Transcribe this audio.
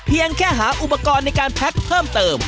แค่หาอุปกรณ์ในการแพ็คเพิ่มเติม